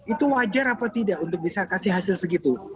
itu wajar apa tidak untuk bisa kasih hasil segitu